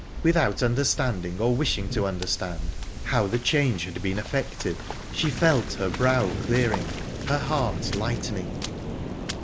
Without understanding, or wishing to understand, how the change had been effected, she felt her brow clearing, her heart lightening...